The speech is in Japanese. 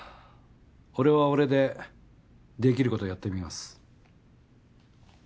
俺は俺でできることをやってみます。